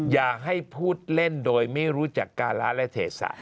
อย่าให้พูดเล่นโดยไม่รู้จักการะและเทศะ